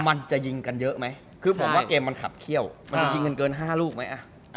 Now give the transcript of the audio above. มันจะยิงกันเยอะไหมคือผมว่าเกมมันขับเขี้ยวมันจะยิงกันเกิน๕ลูกไหม